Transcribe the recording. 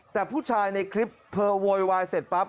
แต่ผู้ชายในคลิปเธอโวยวายเสร็จปั๊บ